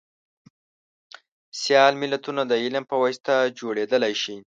سیال ملتونه دعلم په واسطه جوړیدلی شي